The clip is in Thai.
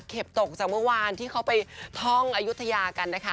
ตกจากเมื่อวานที่เขาไปท่องอายุทยากันนะคะ